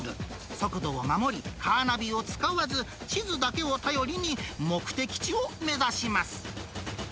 速度を守り、カーナビを使わず、地図だけを頼りに、目的地を目指します。